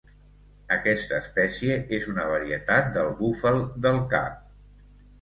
Aquesta espècie és una varietat del búfal del Cap.